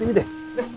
ねっ？